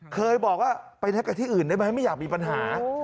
เคยบอกว่าไปแท็กกับที่อื่นได้ไหมไม่อยากมีปัญหา